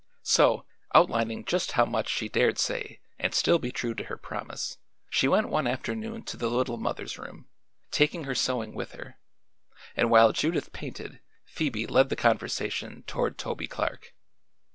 So, outlining just how much she dared say and still be true to her promise, she went one afternoon to the Little Mother's room, taking her sewing with her, and while Judith painted, Phoebe led the conversation toward Toby Clark.